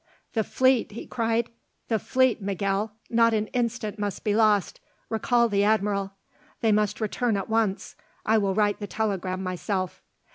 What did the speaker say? "The fleet," he cried, "the fleet, Miguel, not an instant must be lost! Recall the Admiral! They must return at once. I will write the telegram myself."